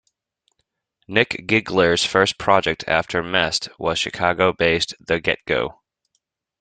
Nick Gigler's first project after Mest was Chicago-based The Get Go.